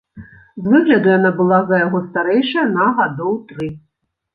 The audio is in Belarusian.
З выгляду яна была за яго старэйшая на гадоў тры.